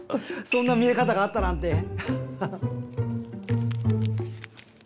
そんな見え方があったなんて。